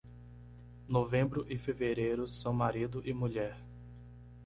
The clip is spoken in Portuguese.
Novembro e fevereiro são marido e mulher.